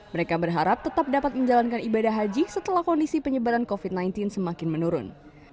mereka berharap tetap dapat menjalankan ibadah haji setelah kondisi penyebaran covid sembilan belas semakin menurun